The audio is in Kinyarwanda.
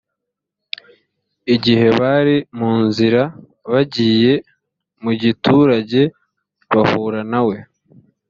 igihe bari mu nzira bagiye mu giturage bahura na we